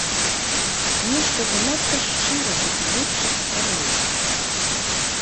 Нешта занадта шчыра гэты лётчык стараўся!